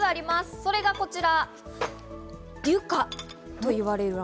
それがこちら。